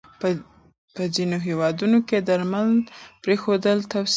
په ځینو هېوادونو کې درمل پرېښودل توصیه کېږي.